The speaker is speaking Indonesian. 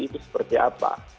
itu seperti apa